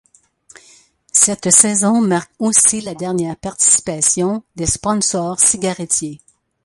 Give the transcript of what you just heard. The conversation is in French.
Cette saison marque aussi la dernière participation des sponsors cigarettiers.